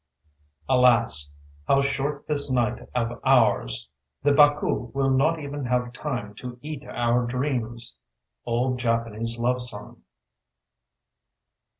"Alas! how short this night of ours! The Baku will not even have time to eat our dreams!" Old Japanese Love song.